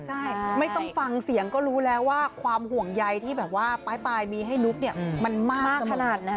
ใช่ไม่ต้องฟังเสียงก็รู้แล้วว่าความห่วงใยที่แบบว่าปลายมีให้นุ๊กเนี่ยมันมากกันมานาน